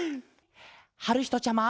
はるひとちゃま！